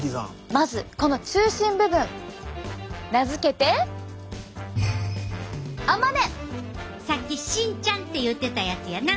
まずこの中心部分。名付けてさっき芯ちゃんっていってたやつやな。